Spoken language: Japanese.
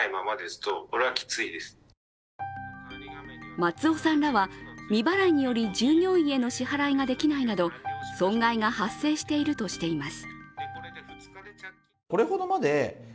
松尾さんらは未払いにより従業員への支払いができないなど損害が発生しているとしています。